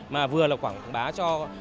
mà vừa quảng bá cho